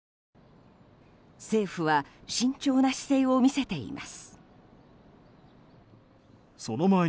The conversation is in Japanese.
政府は慎重な姿勢を見せています。